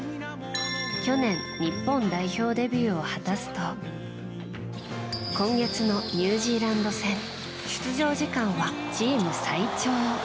去年日本代表デビューを果たすと今月のニュージーランド戦出場時間はチーム最長。